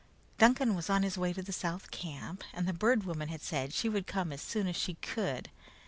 Duncan was on his way to the South camp, and the Bird Woman had said she would come as soon as she could.